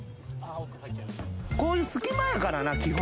こういう隙間やからな基本。